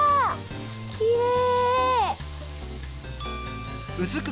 きれい！